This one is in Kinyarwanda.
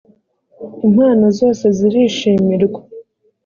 impano zose zirishimirwa